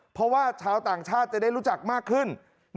เพราะว่าชาวต่างชาติจะได้รู้จักมากขึ้น